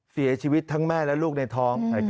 เสียชีวิตทั้งแม่และลูกในท้อง